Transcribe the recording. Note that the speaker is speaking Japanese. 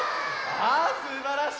ああすばらしい！